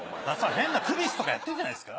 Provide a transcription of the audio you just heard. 変なクリスとかやってんじゃないですか？